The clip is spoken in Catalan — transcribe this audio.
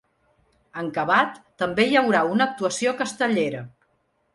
En acabat, també hi haurà una actuació castellera.